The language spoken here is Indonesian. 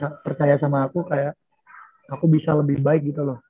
gak percaya sama aku kayak aku bisa lebih baik gitu loh